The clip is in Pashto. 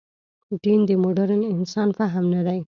دین د مډرن انسان فهم نه دی.